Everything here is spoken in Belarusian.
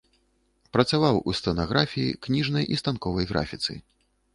Працаваў у сцэнаграфіі, кніжнай і станковай графіцы.